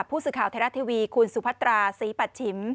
ผู้สื่อข่าวแทรกท์ทีวีคุณสุภัตราซีปัชชิม